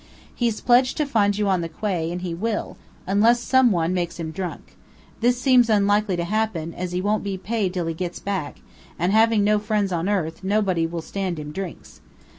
He's pledged to find you on the quay, and he will unless some one makes him drunk. This seems unlikely to happen, as he won't be paid till he gets back, and having no friends on earth, nobody will stand him drinks.